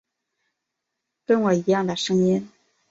跟我一样的声音